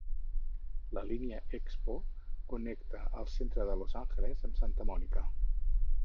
La línia Expo connecta el centre de Los Angeles amb Santa Mònica.